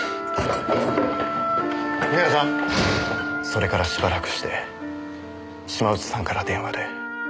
それからしばらくして島内さんから電話で。